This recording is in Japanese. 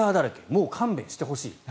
もう勘弁してほしい。